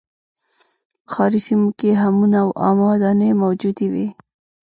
په ښاري سیمو کې حمونه او عامه ودانۍ موجودې وې